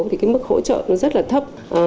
thì cái mức hỗ trợ nó rất là thấp